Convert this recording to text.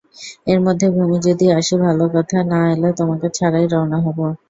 এর মধ্যে ভূমি যদি আসি ভালো কথা, না এলে তোমাকে ছাড়াই রওনা হব।